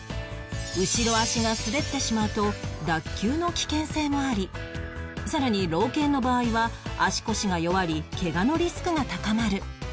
後ろ足が滑ってしまうと脱臼の危険性もありさらに老犬の場合は足腰が弱りケガのリスクが高まる